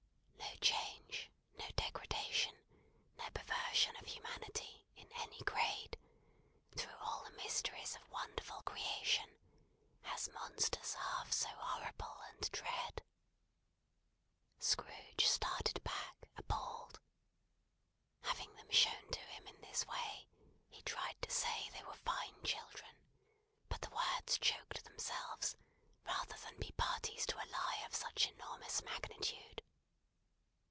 No change, no degradation, no perversion of humanity, in any grade, through all the mysteries of wonderful creation, has monsters half so horrible and dread. Scrooge started back, appalled. Having them shown to him in this way, he tried to say they were fine children, but the words choked themselves, rather than be parties to a lie of such enormous magnitude.